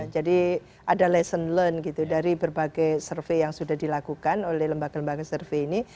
jadi ada lesson learned dari berbagai survei yang sudah dilakukan oleh lembaga lembaga survei ini